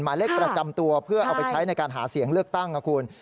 หมายเลขประจำตัวเพื่อเอาไปใช้ในการหาเสียงเลือกตั้งนะคุณ